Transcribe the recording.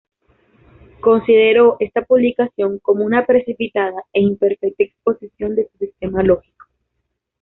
Consideró esta publicación como una precipitada e imperfecta exposición de su sistema lógico.